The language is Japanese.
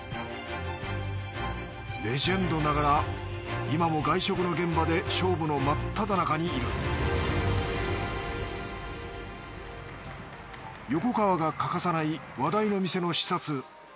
レジェンドながら今も外食の現場で勝負の真っただ中にいる横川が欠かさない話題の店の視察。